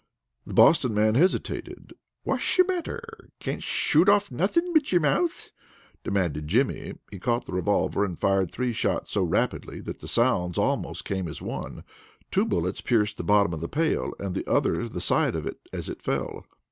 The Boston man hesitated. "Whatsh the matter? Cansh shoot off nothing but your mouth?" demanded Jimmy. He caught the revolver and fired three shots so rapidly that the sounds came almost as one. Two bullets pierced the bottom of the pail, and the other the side as it fell.